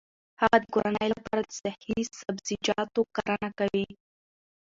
هغه د کورنۍ لپاره د صحي سبزیجاتو کرنه کوي.